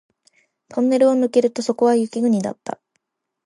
トンネルを抜けるとそこは雪国だった